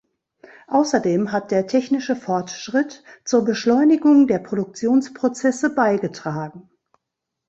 Außerdem hat der technische Fortschritt zur Beschleunigung der Produktionsprozesse beigetragen.